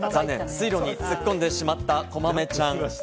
水路に突っ込んでしまった、こまめちゃん。